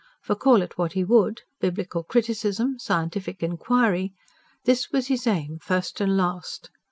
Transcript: For, call it what he would Biblical criticism, scientific inquiry this was his aim first and last.